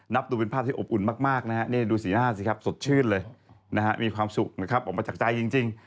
ดูเป็นภาพที่อบอุ่นมากนะฮะนี่ดูสีหน้าสิครับสดชื่นเลยนะฮะมีความสุขนะครับออกมาจากใจจริง